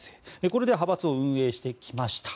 これで派閥を運営してきました。